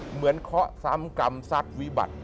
เหมือนข้อซ้ำกำซัสวิบัติ